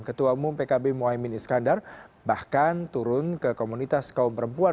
ketua umum pkb mohaimin iskandar bahkan turun ke komunitas kaum perempuan